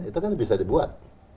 itu kan bisa dibuat